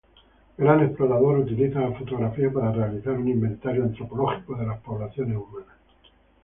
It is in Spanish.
Gran explorador, utiliza la fotografía para realizar un inventario antropológico de poblaciones humanas.